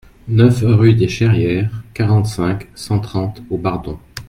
neuf rue des Cherrières, quarante-cinq, cent trente au Bardon